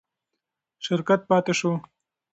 شرکت پاتې شو.